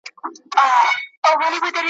که باران وي که ژلۍ، مېلمه غواړي ښه مړۍ `